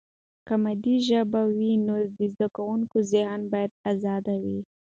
که مادي ژبه وي، نو د زده کوونکي ذهن به آزاد وي.